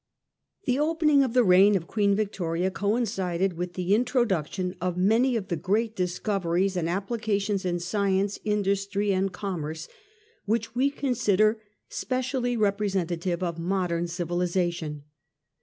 The opening of the reign of Queen Victoria coin cided with the introduction of many of the great dis coveries and applications in science, industry and commerce which we consider specially representative of modem civilisation.